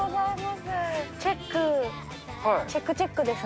チェック、チェックチェック